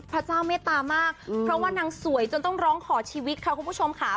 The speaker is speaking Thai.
พระเจ้าเมตตามากเพราะว่านางสวยจนต้องร้องขอชีวิตค่ะคุณผู้ชมค่ะ